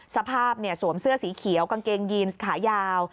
สวมเสื้อสีเขียวกางเกงยีนขายาว